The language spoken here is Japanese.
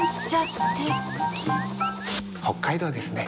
北海道ですね。